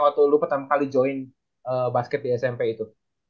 waktu lu pertama kali join basket di smp itu